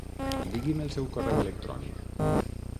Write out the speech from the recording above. Digui'm el seu correu electrònic.